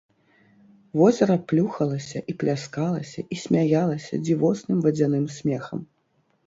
Возера плюхалася, і пляскалася, і смяялася дзівосным вадзяным смехам.